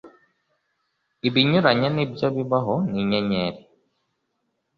Ibinyuranye nibyo bibaho ni inyenyeri